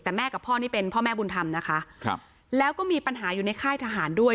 แต่แม่กับพ่อนี่เป็นพ่อแม่บุญธรรมนะคะครับแล้วก็มีปัญหาอยู่ในค่ายทหารด้วย